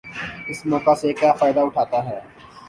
اس موقع سے وہ کیا فائدہ اٹھاتا ہے۔